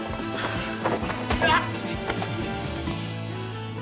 うわっ。